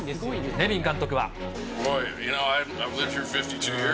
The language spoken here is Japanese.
ネビン監督は。